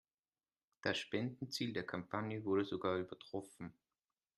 Das Spendenziel der Kampagne wurde sogar übertroffen.